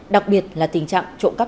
đặc biệt là tình trạng trộm cắp